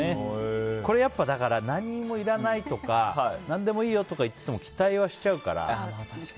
これやっぱだから何もいらないとか何でもいいよとか言ってても期待はしちゃうから。